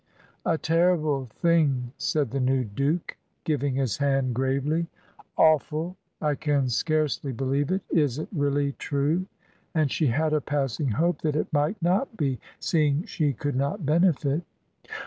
"A terrible thing," said the new Duke, giving his hand gravely. "Awful. I can scarcely believe it. Is it really true?" and she had a passing hope that it might not be, seeing she could not benefit.